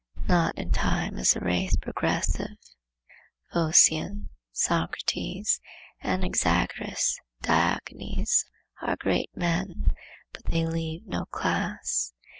Not in time is the race progressive. Phocion, Socrates, Anaxagoras, Diogenes, are great men, but they leave no class.